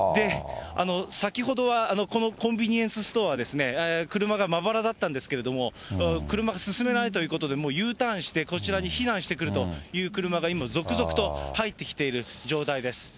先ほどはこのコンビニエンスストア、車がまばらだったんですけれども、車が進めないということで、もうＵターンして、こちらに避難してくるという車が今、続々と入ってきている状態です。